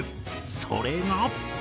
それが。